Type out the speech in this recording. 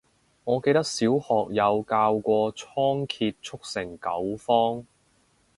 我記得小學有教過倉頡速成九方